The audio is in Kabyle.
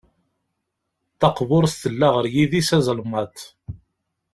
Taqburt tella ɣer yidis azelmaḍ.